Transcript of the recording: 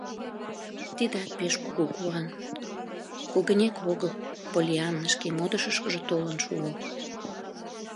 Тидат пеш кугу куан: когынек огыл, — Поллианна шке модышышкыжо толын шуо.